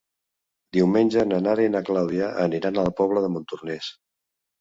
Diumenge na Nara i na Clàudia aniran a la Pobla de Montornès.